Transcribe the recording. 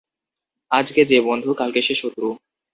আজকে যে বন্ধু, কালকে সে শত্রু।